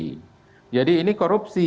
nggak boleh kan ada dananya untuk membeli